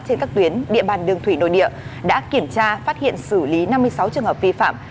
trên các tuyến địa bàn đường thủy nội địa đã kiểm tra phát hiện xử lý năm mươi sáu trường hợp vi phạm